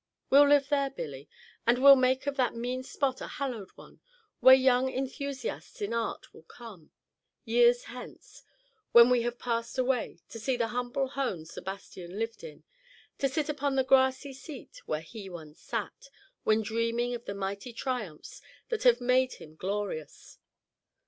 We 'll live there, Billy, and we 'll make of that mean spot a hallowed one, where young enthusiasts in art will come, years hence, when we have passed away, to see the humble home Sebastian lived in, to sit upon the grassy seat where he once sat, when dreaming of the mighty triumphs that have made him glorious."